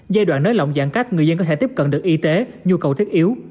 giai đoạn nới lỏng giãn cách người dân có thể tiếp cận được y tế nhu cầu thiết yếu